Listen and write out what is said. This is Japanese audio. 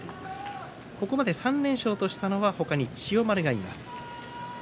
ここまで３連勝としたのは他に千代丸がいます。